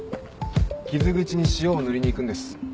傷口に塩を塗りに行くんです。